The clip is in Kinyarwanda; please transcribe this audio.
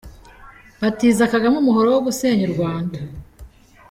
Batiza Kagame umuhoro wo gusenya u Rwanda.